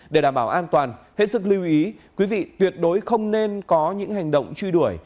để đảm bảo an toàn hãy sức lưu ý quý vị tuyệt đối không nên có những hành động truy đuổi